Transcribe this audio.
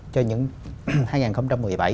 cho những năm hai nghìn một mươi bảy